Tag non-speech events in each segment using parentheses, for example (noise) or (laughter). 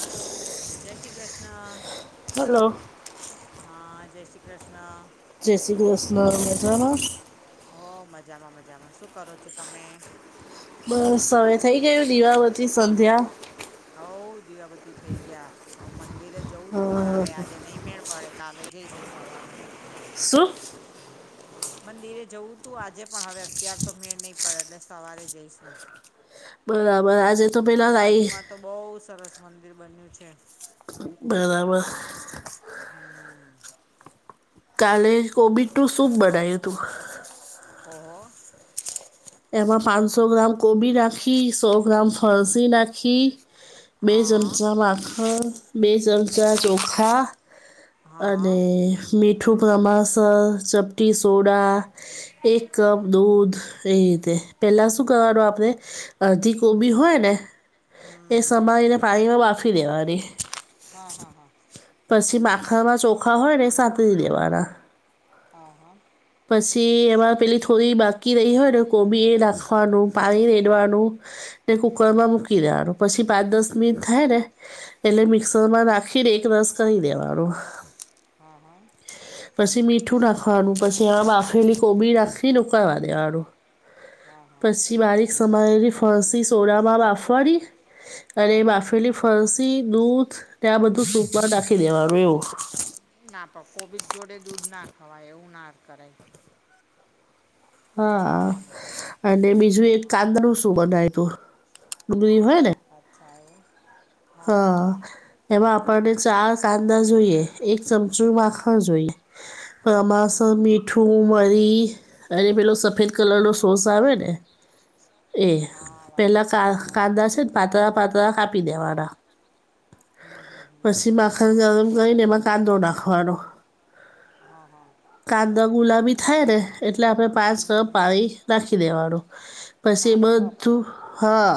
Hello જય Shri Krishna. Hello હા, જય શ્રી કૃષ્ણ. જય શ્રી કૃષ્ણ મજામાં હો મજામાં મજામાં. શું કરો છો તમે? બસ હવે થઈ ગયું દિવા બત્તી સંધ્યા. હઉ દીવાબતી થઈ ગયા. હ મંદિરે જવું અ, તું પણ આવે આજે નહી મેળ પડે. કાલે જઈશું સવારે. શું? મંદિરે જવું તું, આજે પણ હવે અત્યાર તો મેળ નહીં પડે એટલે સવારે જઈશું. બરાબર, આજે તો પેલા અમારા લાઈ. બાજુમાં તો બહુ સરસ મંદિર બન્યું છે. બરાબર. હમ. કાલે કોબીજનું સૂપ બનાવ્યું હતું. ઓહો. એમાં પાંચસો ગ્રામ કોબી નાખી, સો ગ્રામ ફણસી નાખી. બે હા હા ચમચા માખર, બે ચમચા ચોખા. હા અને હા મીઠું પ્રમાણ સર, ચપટી સોડા, એક કપ દૂધ. એ તે પહેલા શું કરવાનું આપણે અધિક? કોબી હમ હોય ને, હમ એ હમ સમારીને પાણીમાં બાફી દેવાની. હા, હા, હા. પછી માખણમાં ચોખા હોય ને, સાંતરી દેવાના. હા, હા. પછી એમાં પેલી થોડી બાકી રહી હોય ને, કોબીએ નાખવાનું પાણી રેડવાનું. ને કુકરમાં હમ મૂકી દેવાનું. પછી પાંચ દસ મિનિટ થાય ને એટલે, મિક્સરમાં રાખીને એક રસ કરી દેવાનો. હા, હા. પછી મીઠું નાખવાનું, પછી આમાં બાફેલી કોબી નાખીને ઉકાળવા દેવાનું. હા હા પછી બારીક સમાયેલી ફરસી સોડામાં બાફવાની. અરે અચ્છા બાફેલી ફરસી, દૂધ ત્યાં બધું સૂપમાં નાખી દેવાનું એવું. ના, પણ કોબીજ જોડે દૂધ ના ખવાય એવું ના કરાય. હા, હમ અને બીજું હા એક હા કાંદા નું શું બનાયુ? તો ડુંગરી હોય ને. ઓછા એમ. હા. એમાં આપણને ચાર કાંદા જોઈએ, એક ચમચું માખણ જોઈએ, પણ આમાં મીઠું હા હા મરી અને પેલો સફેદ કલરનો અચ્છ સોસ આવે ને. એ હા વાઈટ છે પેલા હા હા કાંદા છે ને, પાતળા પાતળા કાપી દેવાના. હમ, હમ, હમ. પછી માખણ ગરમ કરીને એમાં કાંદો નાખવાનો. હા, હા. કાંદા ગુલાબી થાય ને, એટલે આપણેે પાંચ-છ હમ પેરિસ નાખી દેવાનું. પછી પાંચ કપ બધું, હા.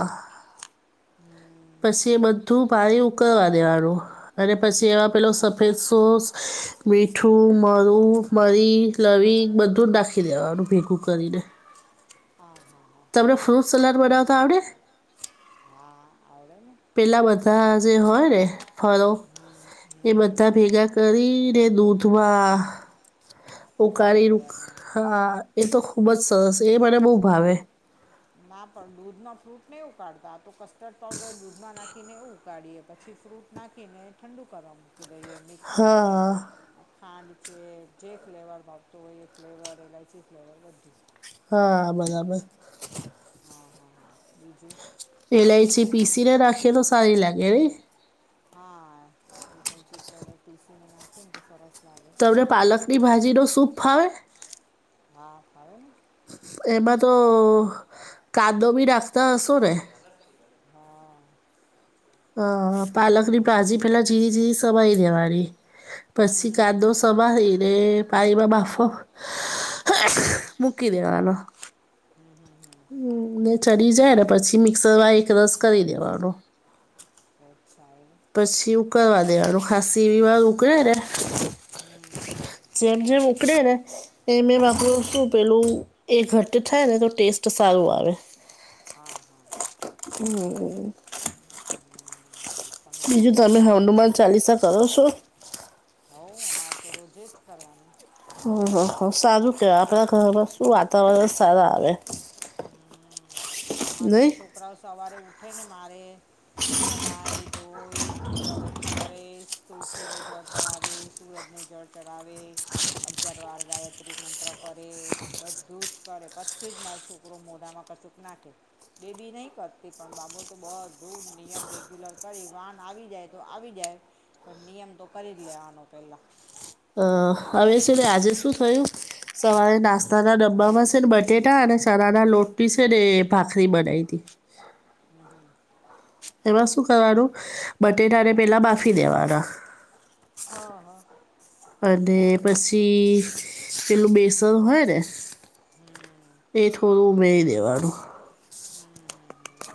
હમ પછી એ બધું પાણી ઉકળવા દેવાનુ. અને પછી એવા પેલો સફેદ સોસ, મીઠું, મરી મરી લવિંગ બધું જ નાખી દેવાનું ભેગું કરીને. હા, હા, હા. તમને ફ્રૂટ સલાડ બનાવતા આવડે. હા, આવડે ને. પેલા બધા જે હોય ને ફળો. હમ એ હમ બધા ભેગા કરીને દૂધમાં ઉકાળી ઉકારી દેવાના હા એ તો ખુબ જ સરસ એ મને બહુ ભાવે ના, પણ દૂધમાં ફ્રૂટ ને ઉકાળતા તો કસ્ટર્ડ પઉડર દૂધમાં નાખીને એ ઉકાળીએ પછી ફ્રૂટ નાખીને ઠંડુ કરવા મૂકી દઈએ મિક્સર છે. હા ખાંડ છે, જે ફ્લેવર માગતું હોય એ ફ્લેવર, એલાયચી ફ્લેવર બધું. હા, બરાબર. હા હા હા બીજું એલાયચી પીસી ને રાખીએ તો સારી લાગે નઇ હા એટલે ચીર ટીસીને નાખીએ ને તો સરસ લાગે તમને પાલકની ભાજીનો સૂપ ફાવે હા ફાવે ને એમાં તો કાદો બી નાખતા હશો ને (unintelligible) હા હ પાલકની ભાજી પેલા જીરી જીરી સમારી લેવાની હમ પછી હમ હમ. કાંદો સમારી ને પાણીમાં બાફો મુકી દેવાનો ને ચડી જાય ને પછી મિક્સર માં એક રસ કરી દેવાનો (unintelligible) પછી ઉકળવા દેવાનું ખાસી એવી વાર ઉકળેને હમ જેમ જેમ ઉકળે ને એમ એમ હા હા આપણું પેલું એ ઘટ થાય ને તો ટેસ્ટ સારું આવે હા હા હમ તમે તો બીજું બહુ તમે સારી હનુમાન ચાલીસા કરો છો હું અમારે તો રોજે જ કરવાનું હ (unintelligible) સારું કેવાય મારા આપણા છો ઘરમાં શું વાતાવરણ સારા આવે અમારે તો નહી છોકરાઓ સવારે ઉઠે ને મારે એટલે નાઈ ધોઈ ન દીવાબત્તી કરે તુલસીને જળ ચઢાવે સૂરજને જળ ચઢાવે અગિયાર વાર ગાયત્રી મંત્ર કરે બધું જ કરે પછી જ માર છોકરો મોઢામાં કશું નાખે બેબી નહી કરતી પણ બાબો તો બધૂ નિયમ રેગ્યુલર કરી વાન આવી જાય તો આવી જાય પણ નિયમ તો કરી જ લેવાનો પેલા અ હવે છેટ આજે જ શું થયું સવારે નાસ્તાના ડબ્બામાં છે ને બટેટા અને ચણાના લોટી છે ને ભાખરી બનાવી તી હમ હમ એમાં શું કરવાનું બટેટાને પેલા બાફી દેવાના હા હા અને પછી પેલું બેસન હોય ને હમ એ થોડું ઉમેરી દેવાનું હમ હમ હમ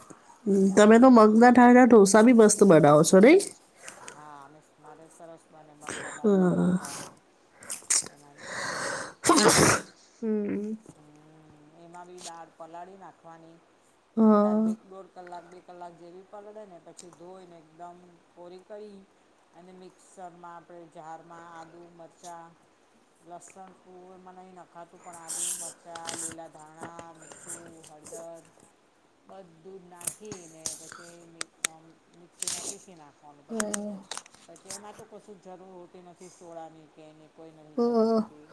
હ તમે તો મગદા ઠાયના ઢોસા બી મસ્ત બનાવો છો નહી હા અ મારે સરસ મને મગદા બાર ના ઢોસા (unintelligible) (unintelligible) હમ એમાં બી દાળ પલાળી નાખવાની હ એકાદ બે દોડ કલાક બે કલાક જેવી પલળે ને પછી ધોઈને એકદમ કોરી કરી અને મિક્સરમાં આપણે ઝારમાં આલુ મરચાં લસણ તું એમાં નહી નખાતું પણ આ આદુ મરચાં લીલા ધાણા મી્ઠું હળદર બધ દૂધ નાખીને પછી મિક્સીમાં પીસી નાખવાનું પછી પછી એમાં તો કશું જ જરૂર હોતી નથી સોળની કે એની કોઈ નથી જરૂર હોતી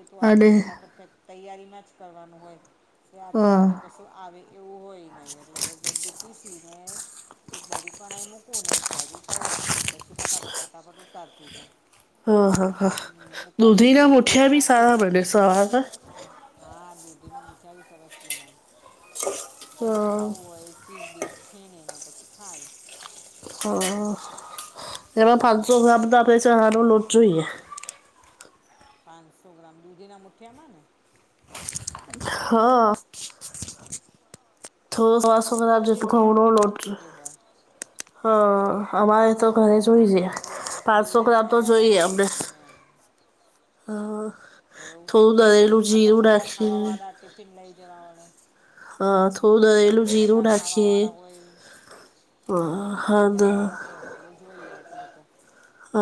એ તો આમે અને ફટાફટ તૈયારીમાં જ કરવાનું હોય કે આથો હ વાતો ક તો આવે એવું હોય નહી એટલે બસ બધું પીસી ને એક બાજુ કડાઈ મૂકું ને એક બાજુ તવો મૂકુ પછી ફટાફટ ફટાફટ ઉતારતી જવ હા હા હા દૂધીના ચીઝ વીઝ મુઠિયા બી સારા નાખીને બને ખઉં બી સર સવાદ હા દૂધીમાં મુઠા સરસ બના જેને હા ખાવું હોય એ ચીઝ બીઝ છીણી ને પછી ખાય હ ઉપરથી એમાંમાં ફાલસો હબધ આપે છે હારું લડજોએ પાંચસો ગ્રામ દૂધીના મુઠિયામાં ને હા થોડો પાંચસો એ તો ગ્રામ જેટલી ઘઉંનો આપણી લોટ છે ક્વોન્ટિટી હોય હ અમારે તો ઘરે હા જોઈ છે જેટલી પાંચસો આપણી ગ્રામ તો મર્યાદા જોઈએ હોય અમણે એટલી એમ હા એવું થોડું દહીં નું હા પણ જીરું બધા નાખી ખાવાવાળા ટિફિન લઈ જવા વાળો હા હ થોડું દળેલું જીરું બધા ખાવા નાખીએ વાળા હોય એ હા ટિફિન લઈ હદ જવા વાળા હોય એટલે જોઈએ એટલું તો હ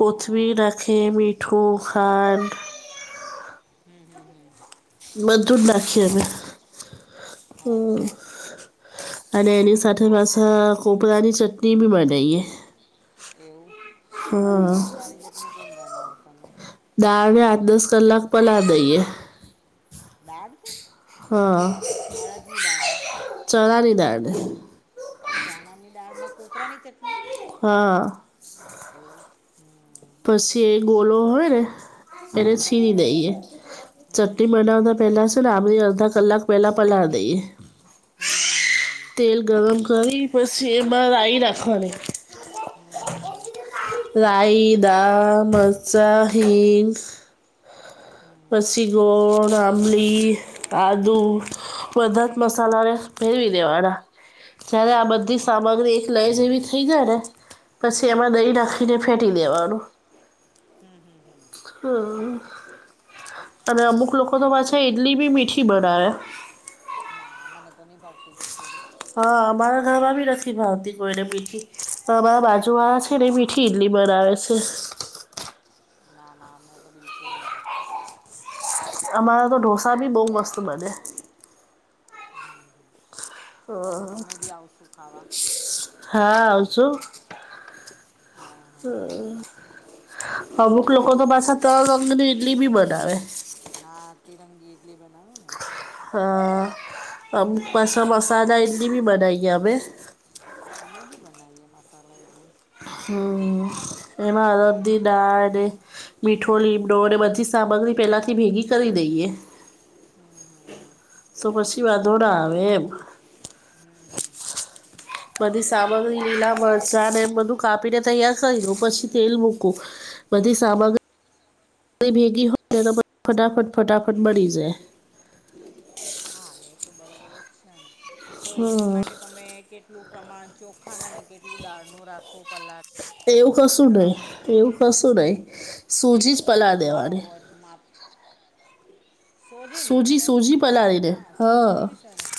કોથમીર નાખી હમ હમ મીઠું ખાંડ હમ હમ હમ બધું નાખી એઅમે હમ અચ્છા અને હા એની હા સાથે હા. પાછા કોપરાની ચટણી બી બનાવીએ એવું હા કોપરાની ચટણી કેમ બનાવો તમે દાળને આઠ દસ કલાક પલા દઈએ દાળ ને હા અડદની દાળને ચણા ની દાળ ને ચણાની દાળમાં કોપરાની ચટણી હા એવું પછી એ ઠીક ગોલો હોય ને એને હમ છીરી દઈએ હમ ચટણી બનાવતા પહેલાં છેને આબંલી અડધા કલાક પહેલાં પલાળી દઈએ. હમ હમ તેલ ગરમ કરી પછી એમાં રાહી નાખવાની હમ હમ હમ રાઇ દાળ મરચા હીંગ પસીગોળ આંબલી. આદું બધા જ મસાલાને ફેરવી દેવાના હમ હમ જય્યારે આ હમ બધી સામગ્રી એક લઈ જેવી થઇ જાય ને. પછી એમાં હમ દહી નાખીને ફેટી દેવાનું. હમ હમ હમ. હુ અને અમુક લોકો તો પાછા ઇડલી બી મીઠી બનાવે. આ મને તો નહી ભાવતી મિકી ઈડલી હા અમારા ઘરમાં બી નથી ભાવતી કોઈને મિઠી અમારા બાજુ હમ આવે છે. એ મિઠી ઈડલી બનાવે છે ના ના અમને તો બિલકુલ નિ (unintelligible) અમારા તો ઢોસા ભી બહુ મસ્ત બનેે. ક્યારેક અમે બી હ આવશું ખાવા હા આવ છું. હા હા બીજું હમ અમુક લોકો તો પાછા તરંગ અંગ ની ઇડલી બી બનાવે. હા તિરંગી ઇડલી બનાવે ને હા અ એક બસ લાલ હમ, મસલા ઇડલી ભી બનાઈએ અમે. અમે બી બનાઈએ મસાલા ઇડલી. હુ એમાં અડદ દાડ ને મીઠો લીમડો અને બધી સામગ્રી પેલાથી ભેગી કરી દઈએ. (unintelligible) તો પછી વાધોના આવે એમ હમ બધી સામગ્રી લીલા મરચા ને એ બધું કાપીને તૈયાર કરી દઉ પછી તેલ મૂકું. બધી સામગ્રી. તે ભીગી હોય ને તો ફટાફટ ફટાફટ બની જાય. હા એ તો બરોબર જ છે. તો ઈડલી માટે હમ તમે કેટલું પ્રમાણ ચોખા ના નું કેટલું દાળ નું રાખો પલાટ એવું કશું નહી એવું કશું નહી સૂજી જ તો પાલા પણ દેવાની. હોત માપ સોજી નહીં સૂજી મને સૂજી પલાડી દે હા. સોજીની બી સરસ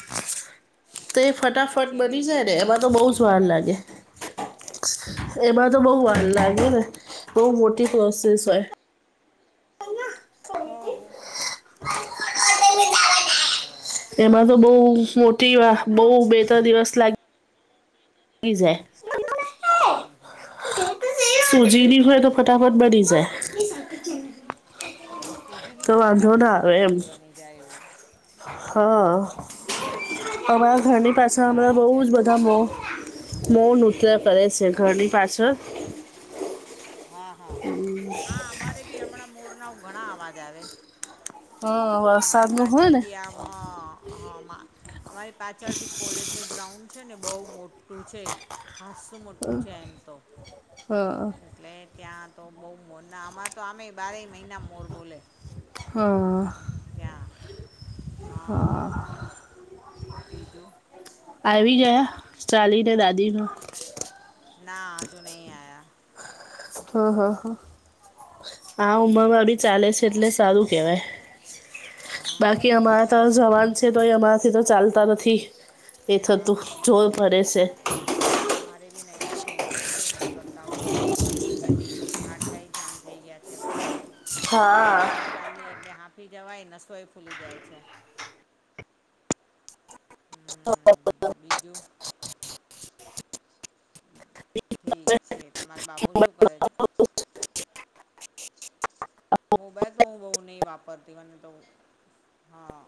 તો એ હા ફટાફટ પછી એની બની જાય ઈડલી ને એમાં તો બનાવીને બહુ જ પછી વાર વઘારતા લાગે. એમાં તો હા બહુ હા વાર હા લાગેને બહુ મોટી પ્રોસેસ હોય. હા હા. એમાં તો બઉ હમ હમ મોટી વા બઉ ઠીક બે ત્રણ દિવસ લાગ ગી જાય. હમ હમ સુજી ની હોય તો ફટફટ બની જાય. હા સૂજીની તો વાંધો ફટાફટ ના જલ્દી આવે એમ જલ્દી બની જાય એવું. હા સૂજી તો અમારા અને ઘરની સૂજી પાસે બી હમણાં સારી છે બહુ જ એમ તો બધા નો મો નૃત્ય કરે છે ઘરની પાછળ હા હા હા અમારે બી હમણાં મોરનાઓ ઘણા અવાજ આવે. હા અમારી વરસાદનું હોય પાછળ ને બી આમ હા મા અમારી પાછળ ભી કોલેજનું ગ્રાઉન્ડ છે ને બહુ મોટું છે. ખાસ શું મોટું છે એમ તો. હા. એટલે ત્યાં તો બહુ મોરના અમારે તો આમે બારેય મહિના મોર બોલે. હા. ત્યાં હા હા હા બીજું આવી ગયા ચાલીને દાદીનો ના હજુ નહીં આયા. હા હા આ ઉમરમાં બી ચાલે છે એટલે સારું કેવાય. હા બાકી એ અમારા તો છે જ ને જવાન છે તો એ અમારાથી તો ચાલતા નથી. એ થતું હા હા જોર (unintelligible) છે. અમારે બી નહી થતું કશું નહી કરતા વોક તો થતું જ નહી હાડ કંઈ જામ થઈ ગયા છે. હા. થોડુંક ચાલીએ એટલે હાફી જવાય નસોય ફૂલી જાય છે. હમ્મ બીજું ઠીક છે તમારે બાબુ શું કરે છે. મોબાઈલ તો હું ની વાપરતી વને તો હા.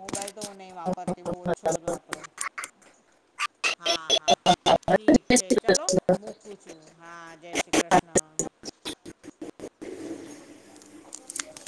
મોબાઈલ તો હું નહીં વાપરતી બહુ ઓછો જ વાપરો. હા હા ઠીક છે ચલો બો પૂછું હા જય શ્રી કૃષ્ણ. (inaudible)